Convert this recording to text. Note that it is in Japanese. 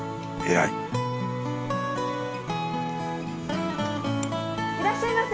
はいいらっしゃいませ。